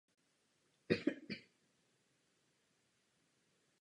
Malování a hra na klavír však patřily mezi jeho koníčky po celý život.